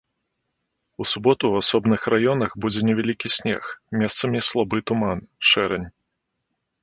У суботу ў асобных раёнах будзе невялікі снег, месцамі слабы туман, шэрань.